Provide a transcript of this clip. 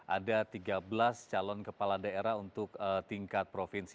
ada tiga belas calon kepala daerah untuk tingkat provinsi